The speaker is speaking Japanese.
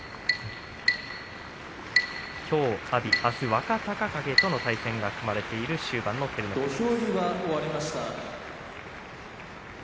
きょうは阿炎あすは若隆景との対戦が組まれている終盤の照ノ富士です。